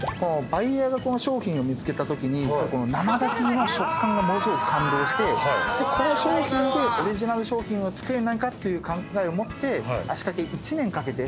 バイヤーがこの商品を見つけたときに生炊きの食感がものすごく感動してこの商品でオリジナル商品を作れないかっていう考えを持って足かけ１年かけて。